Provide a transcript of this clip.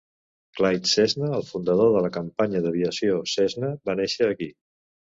Clyde Cessna, el fundador de la Companya d'Aviació Cessna, va néixer aquí.